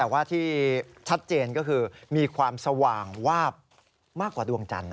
แต่ว่าที่ชัดเจนก็คือมีความสว่างวาบมากกว่าดวงจันทร์